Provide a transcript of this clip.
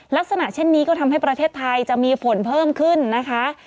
ลักษณะเช่นนี้ก็ทำให้ประเทศไทยจะมีฝนเพิ่มขึ้นนะคะ